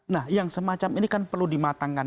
nah yang semacam ini kan perlu dimatangkan